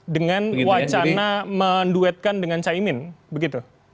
dengan wacana menduetkan dengan caimin begitu